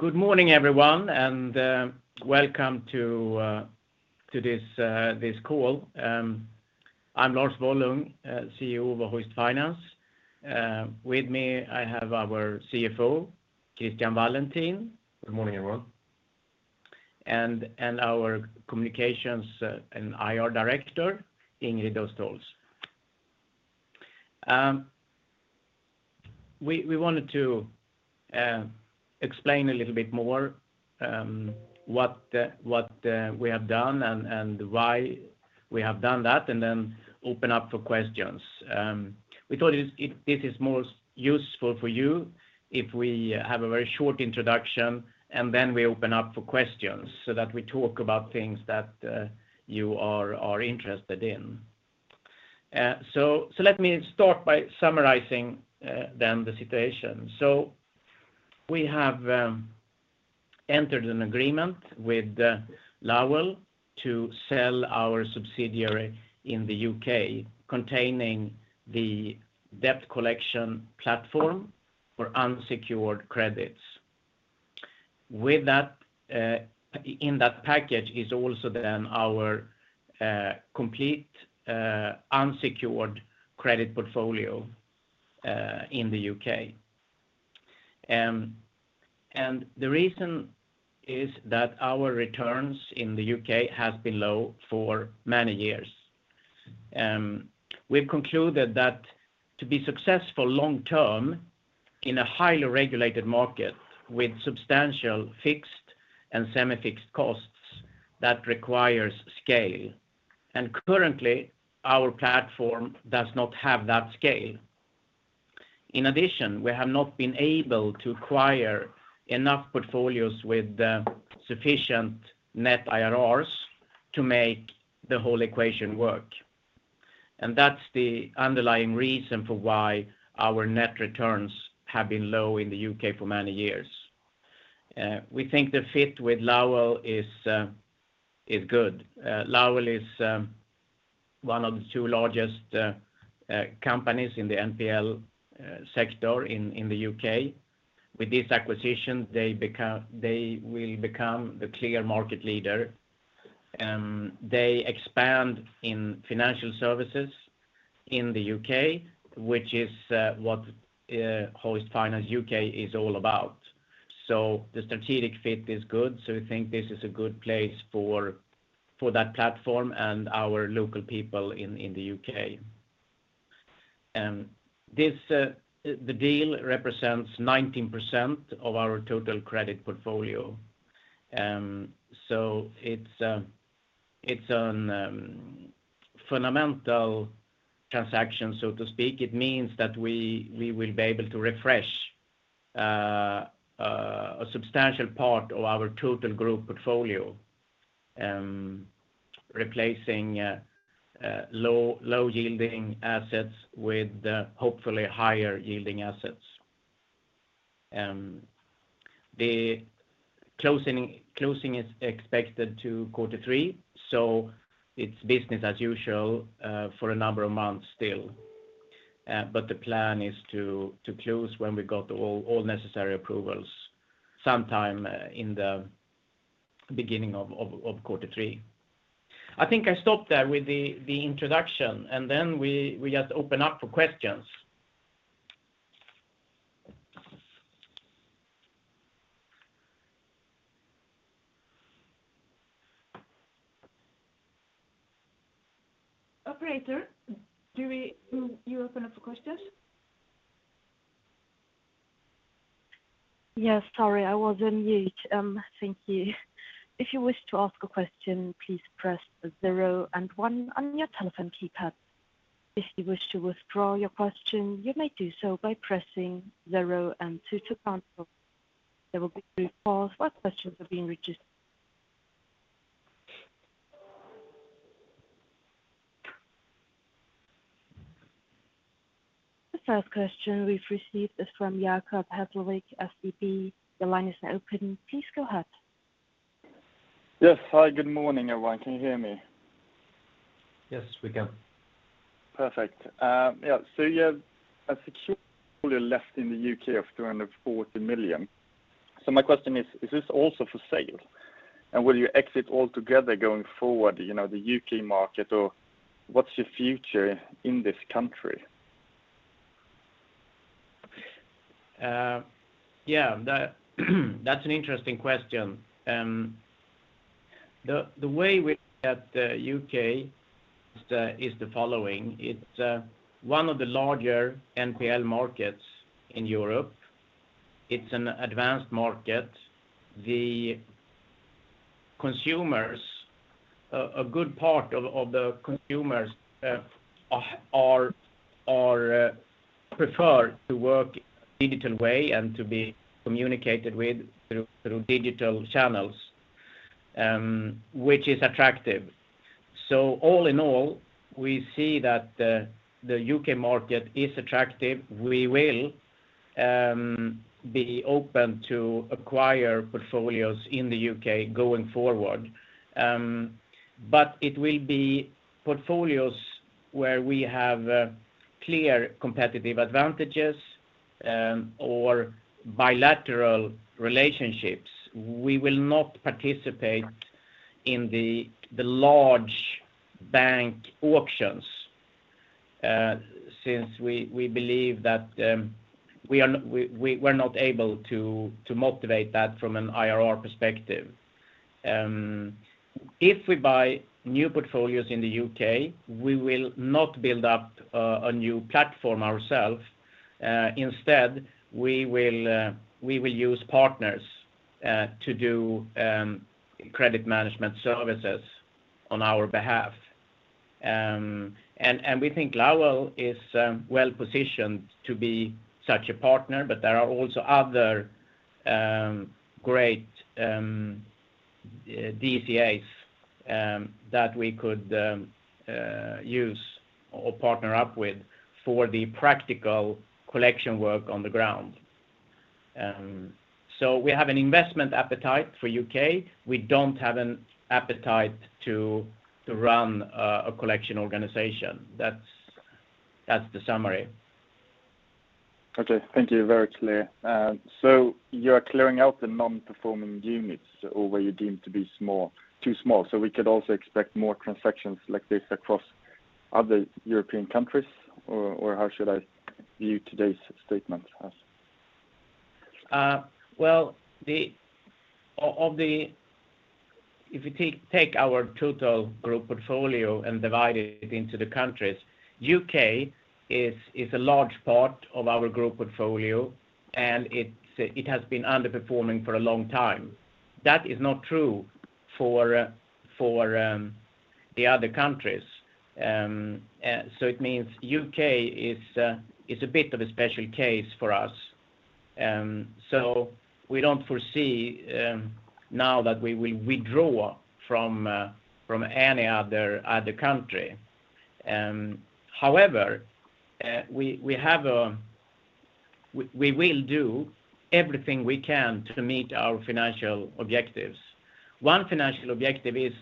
Good morning everyone, and welcome to this call. I'm Lars Wollung, CEO of Hoist Finance. With me, I have our CFO, Christian Wallentin. Good morning, everyone. Our Communications and IR director, Ingrid Östlund. We wanted to explain a little bit more what we have done and why we have done that and then open up for questions. We thought it is most useful for you if we have a very short introduction and then we open up for questions so that we talk about things that you are interested in. Let me start by summarizing then the situation. We have entered an agreement with Lowell to sell our subsidiary in the U.K. containing the debt collection platform for unsecured credits. With that, in that package is also then our complete unsecured credit portfolio in the U.K. The reason is that our returns in the U.K. have been low for many years. We've concluded that to be successful long term in a highly regulated market with substantial fixed and semi-fixed costs that requires scale, and currently, our platform does not have that scale. In addition, we have not been able to acquire enough portfolios with sufficient net IRRs to make the whole equation work. That's the underlying reason for why our net returns have been low in the U.K. for many years. We think the fit with Lowell is good. Lowell is one of the two largest companies in the NPL sector in the U.K. With this acquisition, they will become the clear market leader. They expand in financial services in the U.K., which is what Hoist Finance UK is all about. The strategic fit is good, so we think this is a good place for that platform and our local people in the U.K. The deal represents 19% of our total credit portfolio. It's a fundamental transaction, so to speak. It means that we will be able to refresh a substantial part of our total group portfolio, replacing low-yielding assets with hopefully higher-yielding assets. The closing is expected in quarter three. It's business as usual for a number of months still. The plan is to close when we got all necessary approvals sometime in the beginning of quarter three. I think I stop there with the introduction, and then we just open up for questions. Operator, do you open up for questions? Yes. Sorry, I was on mute. Thank you. The first question we've received is from Jacob Hesslevik, SEB. The line is now open. Please go ahead. Yes. Hi, good morning, everyone. Can you hear me? Yes, we can. Perfect. You have a secured debt in the U.K. of 240 million. My question is this also for sale? Will you exit altogether going forward, you know, the U.K. market, or what's your future in this country? Yeah. That's an interesting question. The way we look at the U.K. is the following: It's one of the larger NPL markets in Europe. It's an advanced market. The consumers, a good part of the consumers, prefer to work digital way and to be communicated with through digital channels, which is attractive. All in all, we see that the U.K. market is attractive. We will be open to acquire portfolios in the U.K. going forward. But it will be portfolios where we have clear competitive advantages, or bilateral relationships. We will not participate in the large bank auctions, since we believe that we were not able to motivate that from an IRR perspective. If we buy new portfolios in the U.K., we will not build up a new platform ourselves. Instead we will use partners to do credit management services on our behalf. We think Lowell is well-positioned to be such a partner, but there are also other great DCAs that we could use or partner up with for the practical collection work on the ground. We have an investment appetite for U.K. We don't have an appetite to run a collection organization. That's the summary. Okay. Thank you. Very clear. You're clearing out the non-performing units or where you deemed to be small, too small. We could also expect more transactions like this across other European countries or how should I view today's statement as? If you take our total group portfolio and divide it into the countries, U.K. is a large part of our group portfolio, and it has been underperforming for a long time. That is not true for the other countries. It means U.K. is a bit of a special case for us. We don't foresee now that we withdraw from any other country. However, we will do everything we can to meet our financial objectives. One financial objective is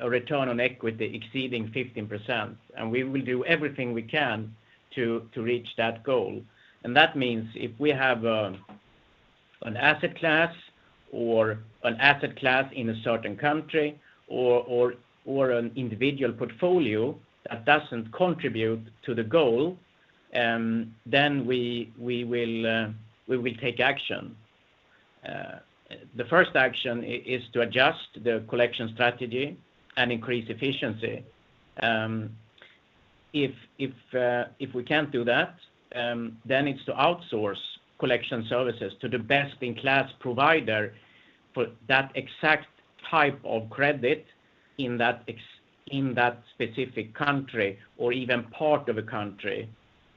a return on equity exceeding 15%, and we will do everything we can to reach that goal. That means if we have an asset class in a certain country or an individual portfolio that doesn't contribute to the goal, then we will take action. The first action is to adjust the collection strategy and increase efficiency. If we can't do that, then it's to outsource collection services to the best-in-class provider for that exact type of credit in that specific country or even part of a country,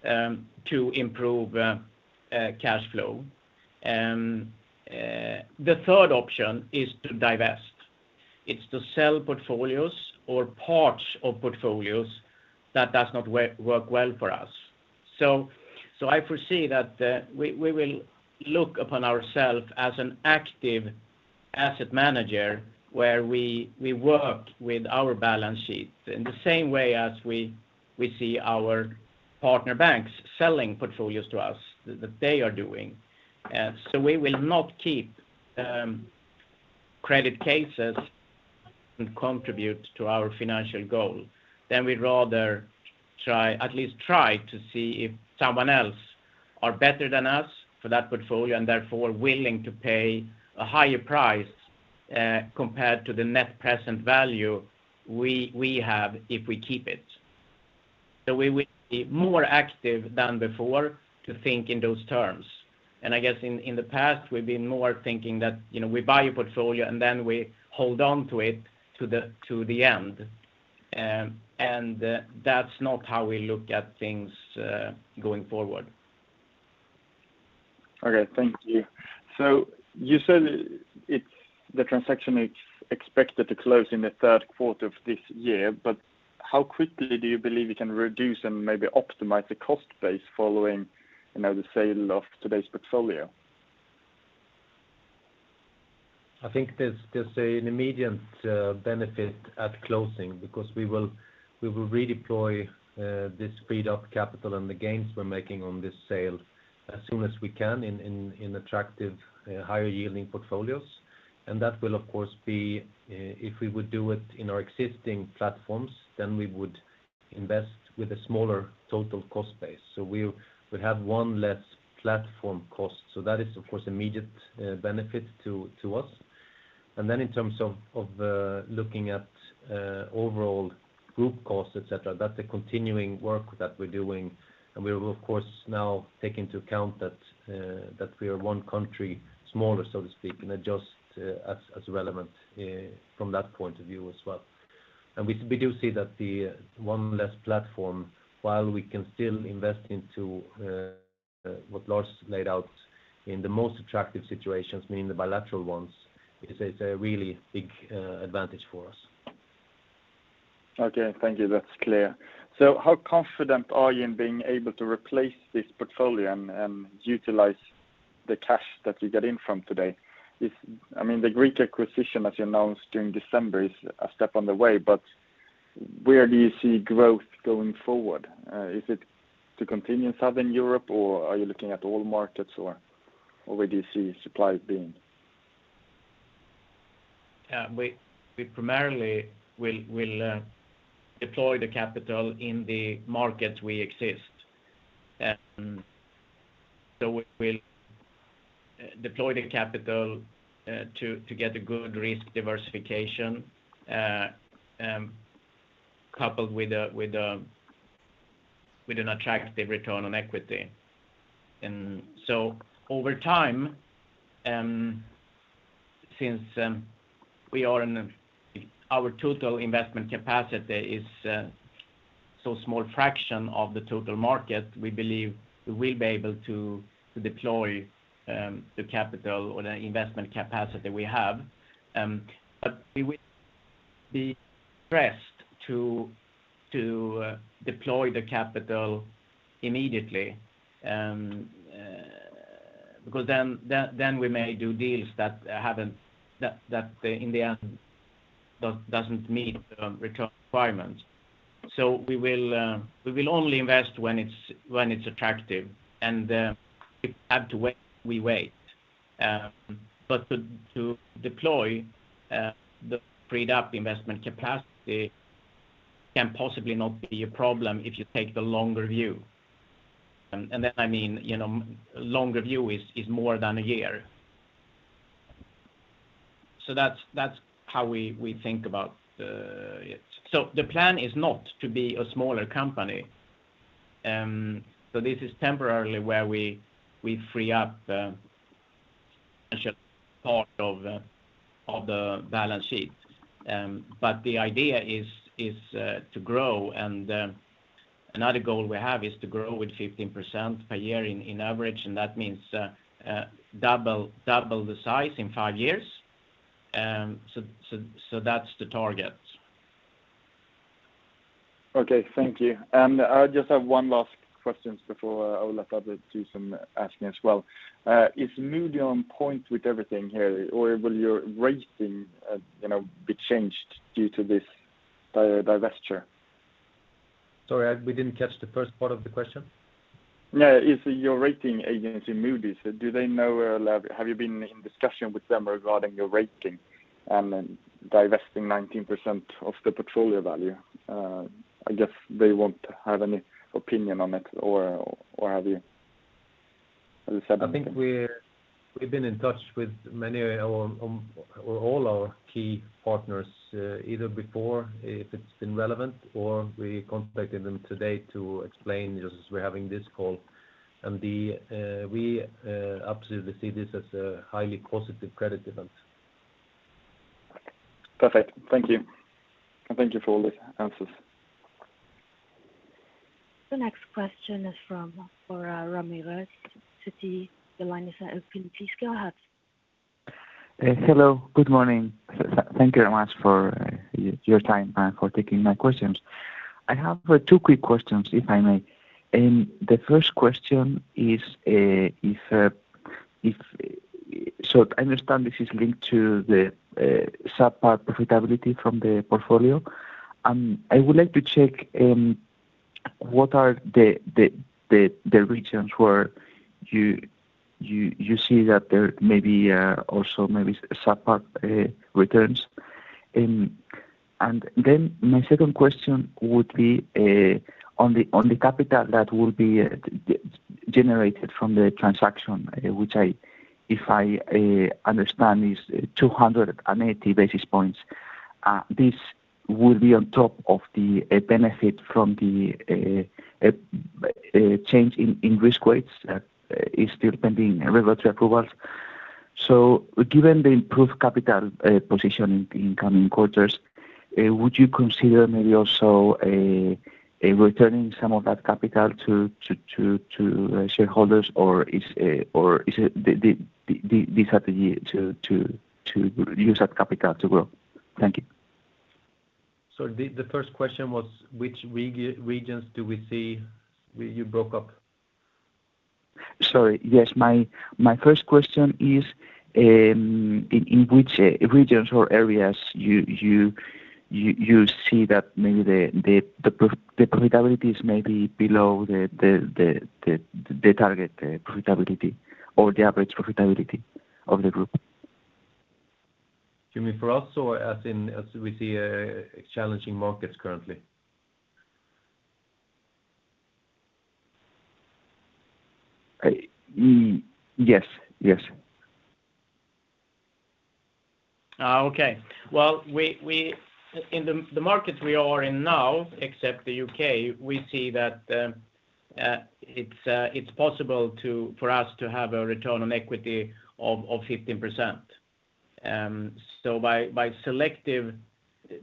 to improve cash flow. The third option is to divest. It's to sell portfolios or parts of portfolios that does not work well for us. I foresee that we will look upon ourselves as an active asset manager, where we work with our balance sheets in the same way as we see our partner banks selling portfolios to us that they are doing. We will not keep credit cases that contribute to our financial goal. We'd rather try to see if someone else are better than us for that portfolio and therefore willing to pay a higher price compared to the net present value we have if we keep it. We will be more active than before to think in those terms. I guess in the past, we've been more thinking that, you know, we buy a portfolio and then we hold on to it to the end. That's not how we look at things going forward. Okay. Thank you. You said the transaction is expected to close in the third quarter of this year, but how quickly do you believe you can reduce and maybe optimize the cost base following, you know, the sale of today's portfolio? I think there's an immediate benefit at closing because we will redeploy this freed-up capital and the gains we're making on this sale as soon as we can in attractive higher-yielding portfolios. That will of course be if we would do it in our existing platforms, then we would invest with a smaller total cost base. We would have one less platform cost. That is of course immediate benefit to us. In terms of looking at overall group costs, et cetera, that's a continuing work that we're doing. We will of course now take into account that we are one country smaller, so to speak, and adjust as relevant from that point of view as well. We do see that the one less platform, while we can still invest into what Lars laid out in the most attractive situations, meaning the bilateral ones, is a really big advantage for us. Okay. Thank you. That's clear. How confident are you in being able to replace this portfolio and utilize the cash that you get in from today? I mean, the Greek acquisition that you announced during December is a step on the way, but where do you see growth going forward? Is it to continue in Southern Europe or are you looking at all markets or where do you see supply being? Yeah. We primarily will deploy the capital in the markets we exist. We'll deploy the capital to get a good risk diversification coupled with an attractive return on equity. Over time, since our total investment capacity is so small fraction of the total market, we believe we will be able to deploy the capital or the investment capacity we have. We won't be pressed to deploy the capital immediately because then we may do deals that in the end doesn't meet the return requirements. We will only invest when it's attractive and if we have to wait, we wait. To deploy the freed up investment capacity can possibly not be a problem if you take the longer view. I mean, you know, longer view is more than a year. That's how we think about it. The plan is not to be a smaller company. This is temporary where we free up a part of the balance sheet. The idea is to grow. Another goal we have is to grow with 15% per year on average. That means double the size in five years. That's the target. Okay. Thank you. I just have one last question before I will let the others ask as well. Is Moody's on point with everything here or will your rating, you know, be changed due to this divestiture? Sorry, we didn't catch the first part of the question. Yeah. Is your rating agency Moody's, do they know where like? Have you been in discussion with them regarding your rating and then divesting 19% of the portfolio value? I guess they won't have any opinion on it or have you said anything? I think we've been in touch with all our key partners, either before if it's been relevant or we contacted them today to explain just we're having this call. We absolutely see this as a highly positive credit event. Perfect. Thank you. Thank you for all the answers. The next question is from [Fara Ramirez], Citi. The line is open. Please go ahead. Hello. Good morning. Thank you very much for your time and for taking my questions. I have two quick questions, if I may. The first question is, I understand this is linked to the subpar profitability from the portfolio. I would like to check what are the regions where you see that there maybe also subpar returns. Then my second question would be on the capital that will be generated from the transaction, which, if I understand, is 280 basis points. This will be on top of the benefit from the change in risk weights, is still pending regulatory approvals. Given the improved capital position in coming quarters, would you consider maybe also returning some of that capital to shareholders or is it the strategy to use that capital to grow? Thank you. The first question was which regions do we see. You broke up. Sorry. Yes. My first question is, in which regions or areas you see that maybe the profitability is maybe below the target profitability or the average profitability of the group? You mean for us or as in, as we see, challenging markets currently? Yes. Okay. Well, in the market we are in now, except the U.K., we see that it's possible for us to have a return on equity of 15%. By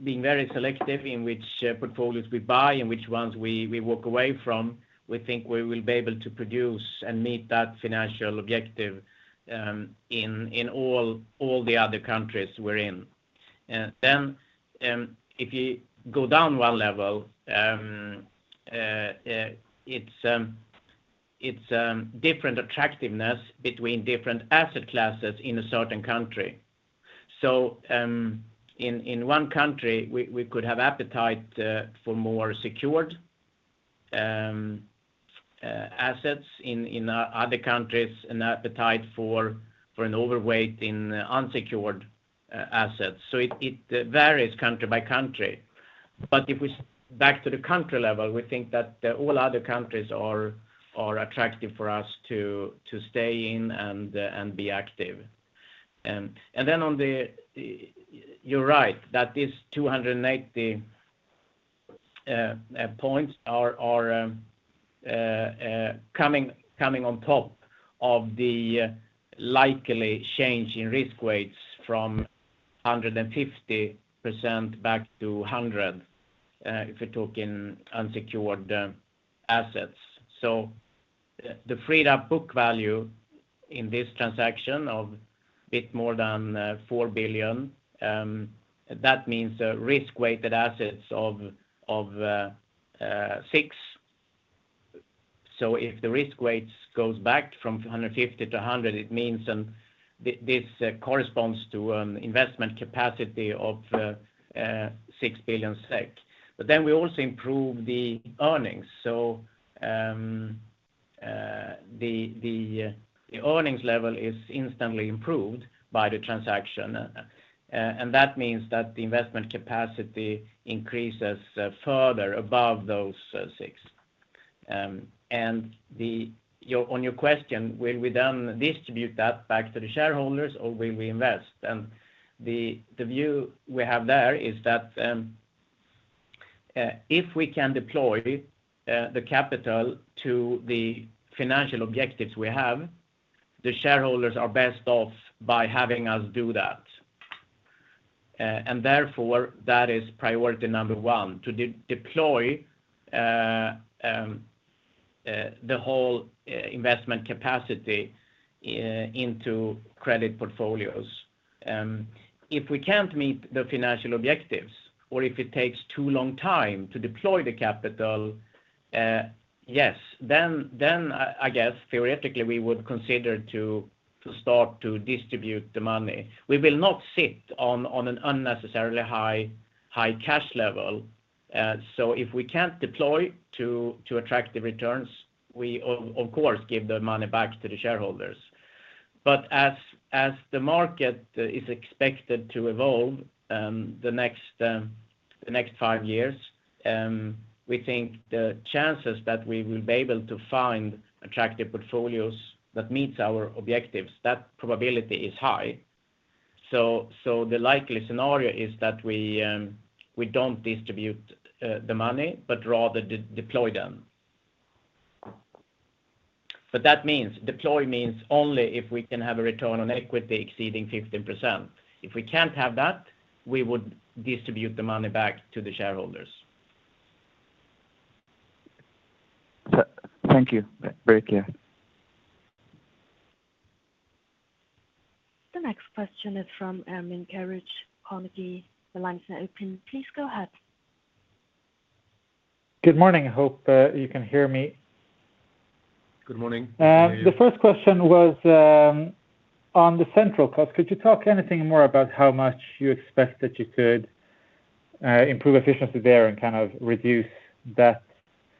being very selective in which portfolios we buy and which ones we walk away from, we think we will be able to produce and meet that financial objective in all the other countries we're in. If you go down one level, it's different attractiveness between different asset classes in a certain country. In one country, we could have appetite for more secured assets in other countries, an appetite for an overweight in unsecured assets. It varies country by country. If we step back to the country level, we think that all other countries are attractive for us to stay in and be active. Then on the, you're right that these 280 points are coming on top of the likely change in risk weights from 150% back to 100%, if you're talking unsecured assets. The freed-up book value in this transaction of a bit more than 4 billion, that means risk-weighted assets of 6 billion. If the risk weights goes back from 150% to 100%, it means this corresponds to investment capacity of 6 billion SEK. Then we also improve the earnings. The earnings level is instantly improved by the transaction. That means that the investment capacity increases further above those six. On your question, will we then distribute that back to the shareholders or will we invest? The view we have there is that if we can deploy the capital to the financial objectives we have, the shareholders are best off by having us do that. Therefore, that is priority number one, to deploy the whole investment capacity into credit portfolios. If we can't meet the financial objectives or if it takes too long time to deploy the capital, I guess theoretically, we would consider to start to distribute the money. We will not sit on an unnecessarily high cash level. If we can't deploy to attract the returns, we of course give the money back to the shareholders. As the market is expected to evolve the next five years, we think the chances that we will be able to find attractive portfolios that meets our objectives, that probability is high. The likely scenario is that we don't distribute the money, but rather deploy them. That means deploy means only if we can have a return on equity exceeding 15%. If we can't have that, we would distribute the money back to the shareholders. Thank you. Very clear. The next question is from Ermin Keric, Carnegie. Please go ahead. Good morning. I hope you can hear me. Good morning. The first question was on the central cost. Could you talk anything more about how much you expect that you could improve efficiency there and kind of reduce that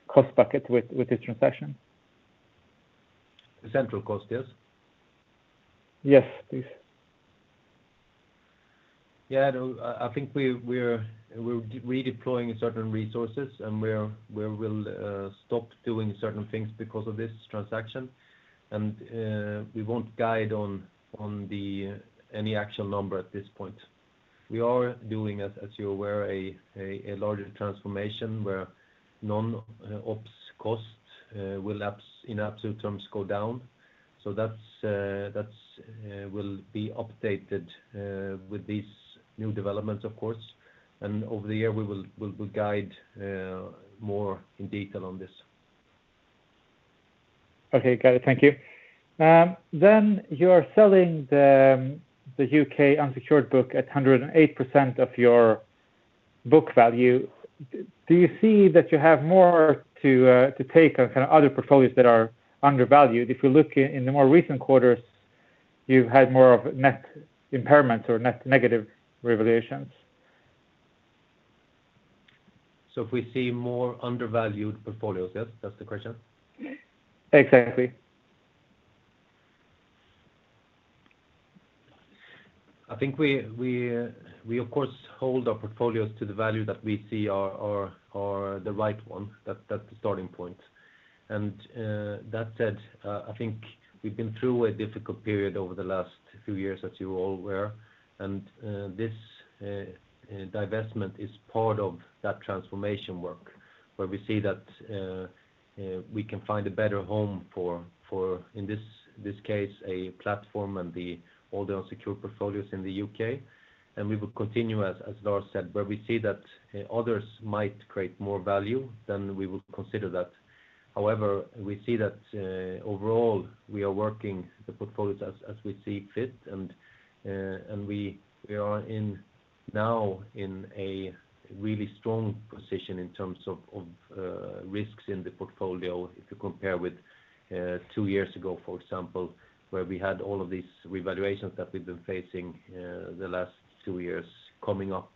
cost bucket with this transaction? The central cost, yes? Yes, please. Yeah. No, I think we're redeploying certain resources, and we will stop doing certain things because of this transaction. We won't guide on any actual number at this point. We are doing, as you're aware, a larger transformation where non-operating costs will in absolute terms go down. That's will be updated with these new developments, of course. Over the year, we will guide more in detail on this. Okay. Got it. Thank you. You're selling the U.K. unsecured book at 108% of your book value. Do you see that you have more to take on other portfolios that are undervalued? If you look in the more recent quarters, you've had more of net impairment or net negative revaluations. If we see more undervalued portfolios, yes? That's the question? Exactly. I think we, of course, hold our portfolios to the value that we see are the right one. That's the starting point. That said, I think we've been through a difficult period over the last few years, as you're all aware. This divestment is part of that transformation work, where we see that we can find a better home for, in this case, a platform and the older unsecured portfolios in the U.K. We will continue, as Lars said, where we see that others might create more value, then we will consider that. However, we see that overall we are working the portfolios as we see fit, and we are now in a really strong position in terms of risks in the portfolio if you compare with two years ago, for example, where we had all of these revaluations that we've been facing the last two years coming up.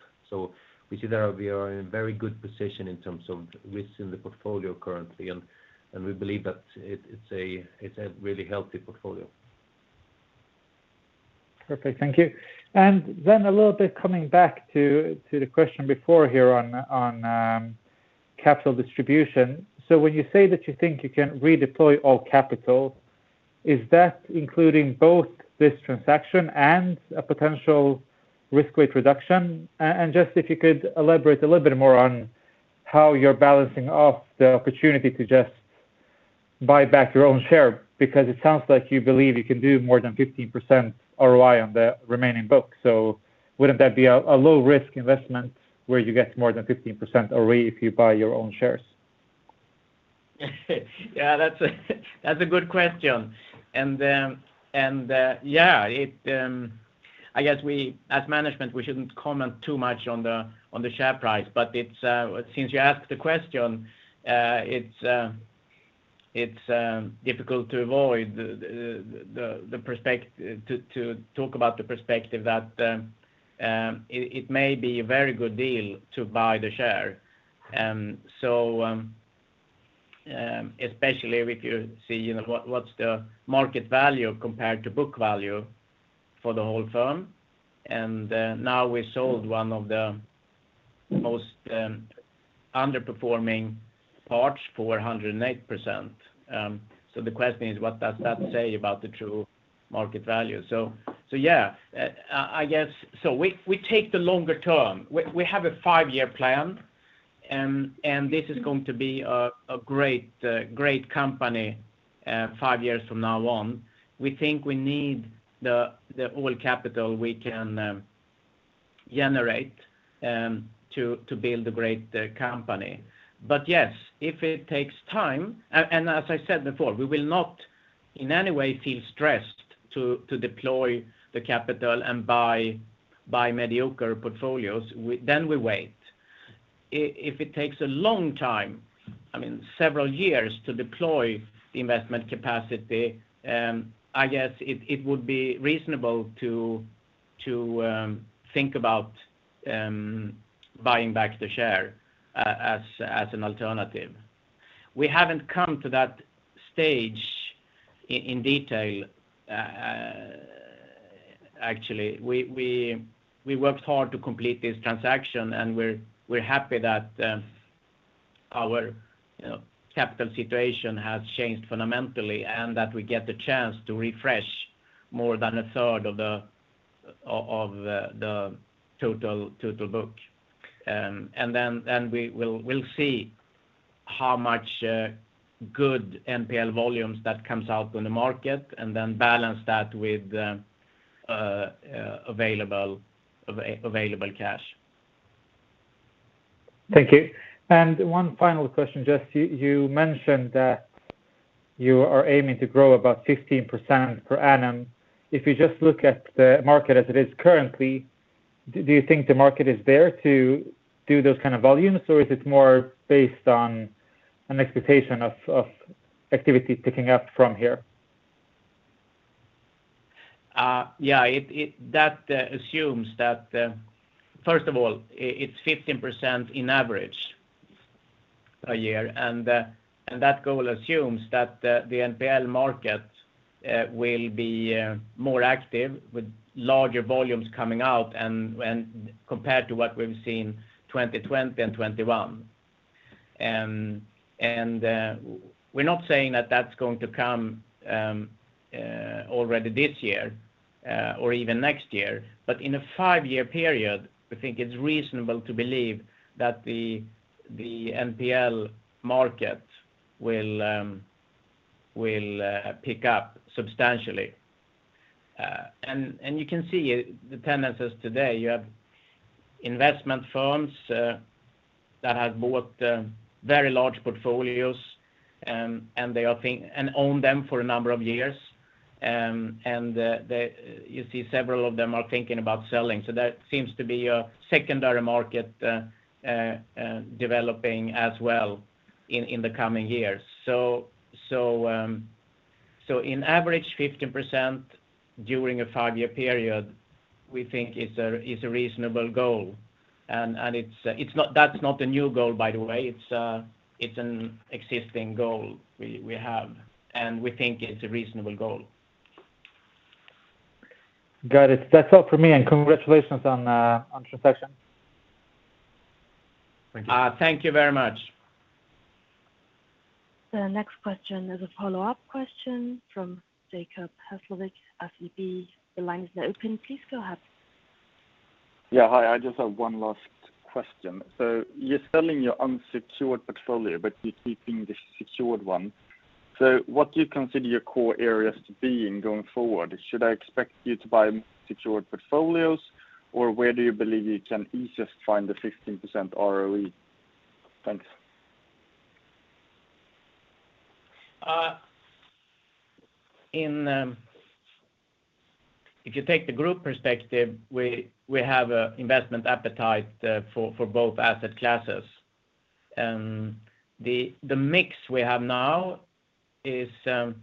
We see that we are in a very good position in terms of risks in the portfolio currently and we believe that it's a really healthy portfolio. Perfect. Thank you. A little bit coming back to the question before here on capital distribution. When you say that you think you can redeploy all capital, is that including both this transaction and a potential risk weight reduction? Just if you could elaborate a little bit more on how you're balancing off the opportunity to just buy back your own share, because it sounds like you believe you can do more than 15% ROI on the remaining book. Wouldn't that be a low risk investment where you get more than 15% ROI if you buy your own shares? Yeah, that's a good question. As management, we shouldn't comment too much on the share price, but since you asked the question, it's difficult to avoid talking about the perspective that it may be a very good deal to buy the share. Especially if you see, you know, what's the market value compared to book value for the whole firm. Now we sold one of the most underperforming parts for 108%. The question is, what does that say about the true market value? We take the longer term. We have a five-year plan, and this is going to be a great company five years from now on. We think we need all the capital we can generate to build a great company. Yes, if it takes time. As I said before, we will not in any way feel stressed to deploy the capital and buy mediocre portfolios. Then we wait. If it takes a long time, I mean several years to deploy investment capacity, I guess it would be reasonable to think about buying back the share as an alternative. We haven't come to that stage in detail, actually. We worked hard to complete this transaction, and we're happy that our, you know, capital situation has changed fundamentally and that we get the chance to refresh more than a third of the total book. We'll see how much good NPL volumes that comes out on the market and then balance that with the available cash. Thank you. One final question, just you mentioned that you are aiming to grow about 15% per annum. If you just look at the market as it is currently, do you think the market is there to do those kind of volumes, or is it more based on an expectation of activity picking up from here? That assumes that, first of all, it's 15% on average a year, and that goal assumes that the NPL market will be more active with larger volumes coming out compared to what we've seen 2020 and 2021. We're not saying that that's going to come already this year or even next year. In a five-year period, we think it's reasonable to believe that the NPL market will pick up substantially. You can see the tendencies today. You have investment firms that have bought very large portfolios, and they own them for a number of years. You see several of them are thinking about selling. That seems to be a secondary market developing as well in the coming years. On average 15% during a five-year period, we think is a reasonable goal. That's not a new goal, by the way. It's an existing goal we have, and we think it's a reasonable goal. Got it. That's all for me, and congratulations on transaction. Thank you. Thank you very much. The next question is a follow-up question from Jacob Hesslev, SEB. The line is now open. Please go ahead. Yeah. Hi. I just have one last question. You're selling your unsecured portfolio, but you're keeping the secured one. What do you consider your core areas to be in going forward? Should I expect you to buy secured portfolios, or where do you believe you can easiest find the 15% ROE? Thanks. If you take the group perspective, we have a investment appetite for both asset classes. The mix we have now is a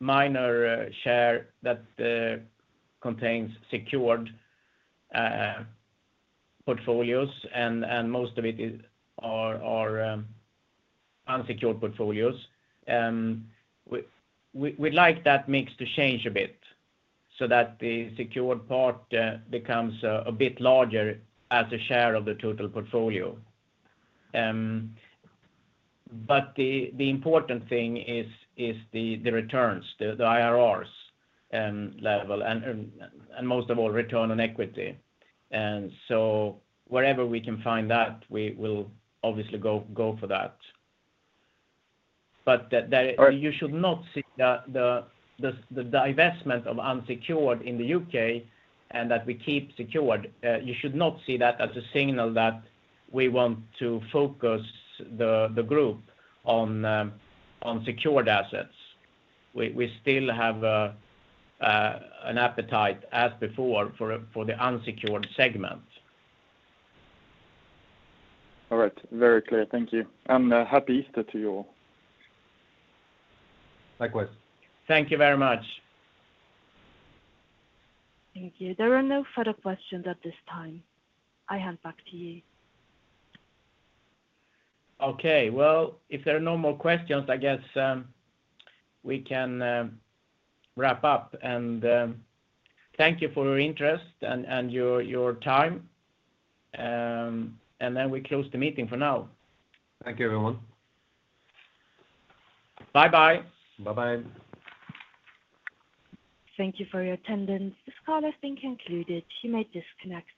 minor share that contains secured portfolios, and most of it are unsecured portfolios. We'd like that mix to change a bit so that the secured part becomes a bit larger as a share of the total portfolio. The important thing is the returns, the IRRs level and most of all, return on equity. Wherever we can find that, we will obviously go for that. That All right. You should not see the divestment of unsecured in the U.K. and that we keep secured. You should not see that as a signal that we want to focus the group on secured assets. We still have an appetite as before for the unsecured segment. All right. Very clear. Thank you. Happy Easter to you all. Likewise. Thank you very much. Thank you. There are no further questions at this time. I hand back to you. Okay. Well, if there are no more questions, I guess we can wrap up. Thank you for your interest and your time. We close the meeting for now. Thank you, everyone. Bye-bye. Bye-bye. Thank you for your attendance. This call has been concluded. You may disconnect.